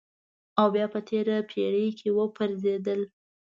او بیا په تېره پېړۍ کې وپرځېدل.